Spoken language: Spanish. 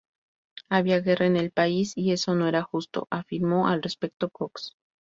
Había guerra en el país y eso no era justo", afirmó al respecto Cox.